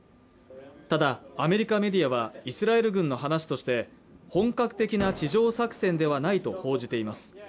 ただアメリカメディアはイスラエル軍の話として本格的な地上作戦ではないと報じています